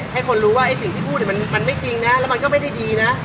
ให้คนรู้ว่าไอ้สิ่งที่พูดมันไม่จริงนะแล้วมันก็ไม่ได้ดีนะ